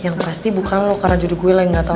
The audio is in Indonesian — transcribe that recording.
yang pasti bukan lo karena judul gue lagi gak tau